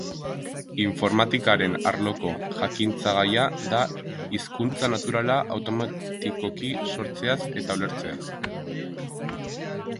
Informatikaren arloko jakintzagaia da, hizkuntza naturala automatikoki sortzeaz eta ulertzeaz arduratzen dena.